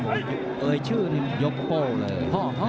เกิดชื่อนี่ยกโป้เลย